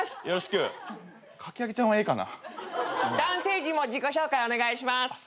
よろしくお願いします。